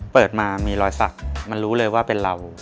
เปิดมามีรอยสักมันรู้เลยว่าเป็นเรา